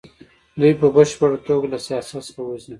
دوی په بشپړه توګه له سیاست څخه وځي.